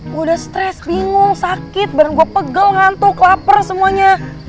gue udah stres bingung sakit badan gue pegel ngantuk lapar semuanya